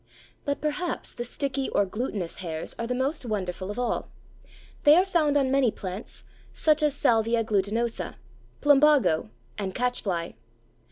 But, perhaps, the sticky or glutinous hairs are the most wonderful of all. They are found on many plants, such as Salvia glutinosa, Plumbago, and Catchfly.